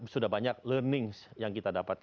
sudah banyak learnings yang kita dapat